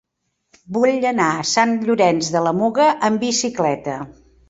Vull anar a Sant Llorenç de la Muga amb bicicleta.